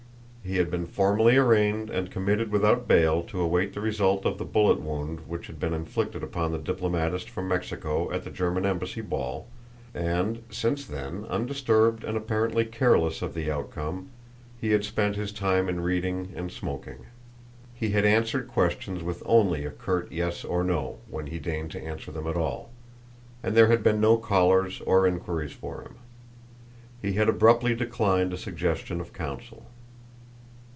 He had been formally arraigned and committed without bail to await the result of the bullet wound which had been inflicted upon the diplomatist from Mexico at the German Embassy Ball, and, since then, undisturbed and apparently careless of the outcome, he had spent his time in reading and smoking. He had answered questions with only a curt yes or no when he deigned to answer them at all; and there had been no callers or inquiries for him. He had abruptly declined a suggestion of counsel.